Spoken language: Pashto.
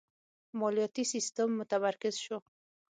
مالیاتی سیستم متمرکز شو.